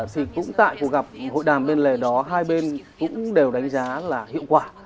thì cũng tại cuộc gặp hội đàm bên lề đó hai bên cũng đều đánh giá là hiệu quả